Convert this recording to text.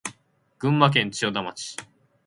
群馬県千代田町